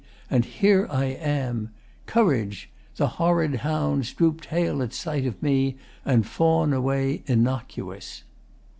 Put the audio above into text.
And here I am! Courage! The horrid hounds Droop tail at sight of me and fawn away Innocuous.